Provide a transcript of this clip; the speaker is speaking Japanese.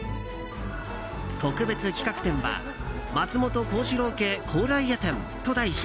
特別企画展は「松本幸四郎家高麗屋展」と題し